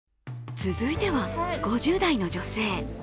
続いては５０代の女性。